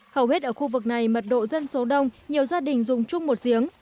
hầu hết ở khu vực này mật độ dân số đông nhiều gia đình dùng chung một giếng